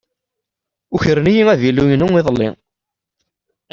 Ukren-iyi avilu-inu iḍelli.